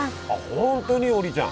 本当に王林ちゃん。